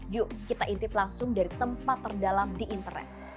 yuk kita intip langsung dari tempat terdalam di internet